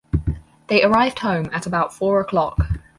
They arrived home at about four o’clock.